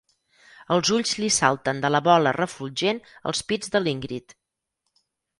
Els ulls li salten de la bola refulgent als pits de l'Ingrid.